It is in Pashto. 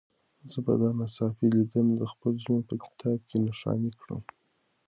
زه به دا ناڅاپي لیدنه د خپل ژوند په کتاب کې نښاني کړم.